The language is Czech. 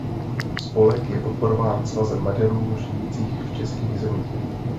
Spolek je podporován Svazem Maďarů žijících v českých zemích.